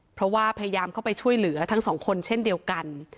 เพราะว่าพยายามเข้าไปช่วยเหลือทั้งสองคนเช่นเดียวกัน